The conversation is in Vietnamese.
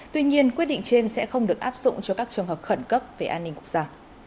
tuy nhiên quyết định trên sẽ không được áp dụng cho các trường hợp khẩn cấp về an ninh quốc gia